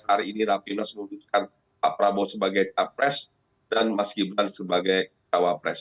hari ini rapi blas memutuskan pak prabowo sebagai cawapres dan mas gibran sebagai cawapres